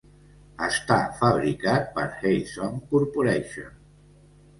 Està fabricat per HeySong Corporation.